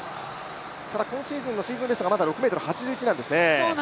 ただ今シーズンのシーズンベストが６ｍ８１なんですね。